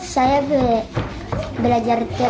saya belajar tir